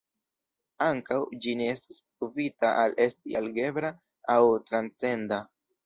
Ankaŭ, ĝi ne estas pruvita al esti algebra aŭ transcenda.